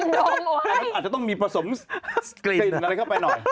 แต่มันอาจจะต้องมีผสมกลิ่นอะไรเข้าไปหน่อย